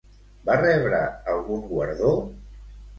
Va rebre algun guardó?